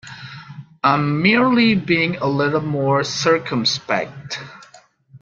I'm merely being a little more circumspect.